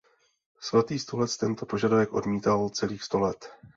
Svatý stolec tento požadavek odmítal celých sto let.